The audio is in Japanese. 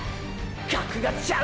格がちゃう！！